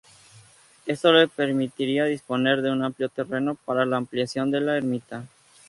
Esto le permitiría disponer de una amplio terreno para la ampliación de la ermita.